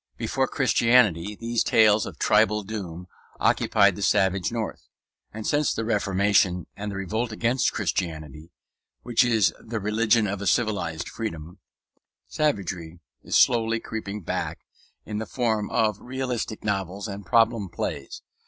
Before Christianity these tales of tribal doom occupied the savage north; and since the Reformation and the revolt against Christianity (which is the religion of a civilized freedom) savagery is slowly creeping back in the form of realistic novels and problem plays.